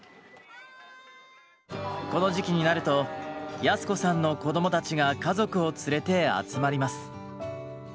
この時期になると靖子さんの子供たちが家族を連れて集まります。